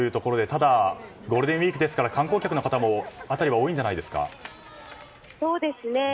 ただゴールデンウィークですから観光客の方も辺りは多いんじゃないですか？